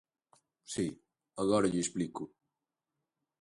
Si, agora lle explico.